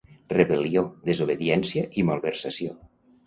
Rebel·lió, desobediència i malversació.